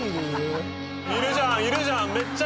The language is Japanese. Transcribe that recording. いるじゃんいるじゃん。